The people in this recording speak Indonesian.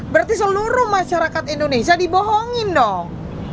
berarti seluruh masyarakat indonesia dibohongin dong